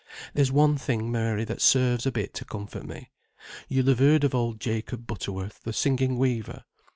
There's one thing, Mary, that serves a bit to comfort me. You'll have heard of old Jacob Butterworth, the singing weaver?